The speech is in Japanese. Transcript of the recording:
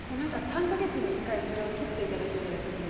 ３か月に１回それを取っていただけるじゃないですか。